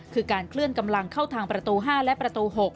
คือการเคลื่อนกำลังเข้าทางประตู๕และประตู๖